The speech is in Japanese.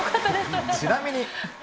ちなみに。